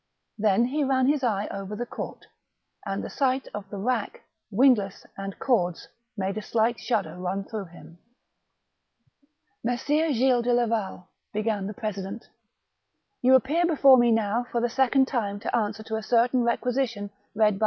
Then he ran his eye over the court, and the sight of the rack, windlass, and cords made a slight shudder run through him. " Messire Gilles de Laval," began the president; "you appear before me now for the second time to answer to a certain requisition read by M.